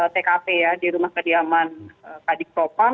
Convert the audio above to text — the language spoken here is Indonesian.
tkp ya di rumah kediaman kadikropang